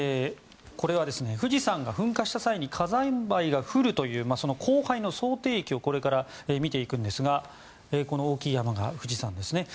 これは、富士山が噴火した際に火山灰が降るという降灰の想定域をこれから見ていくんですが大きい山が富士山です。